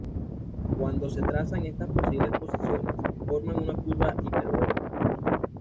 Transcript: Cuando se trazan estas posibles posiciones, forman una curva hiperbólica.